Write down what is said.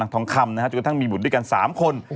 ท้องคำนะครับจุกระทั่งมีหมุนด้วยกัน๓คน